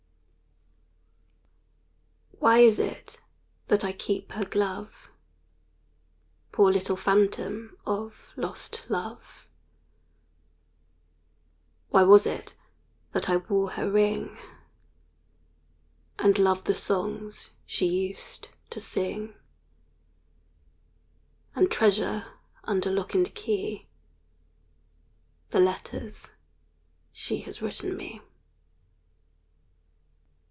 Why is it that I keep her glove Poor little phantom of lost love Why was it that I wore her ring, And love the songs she used to sing, And treasure under lock and key, The letters she has written me?